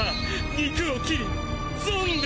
肉を切りゾンデ！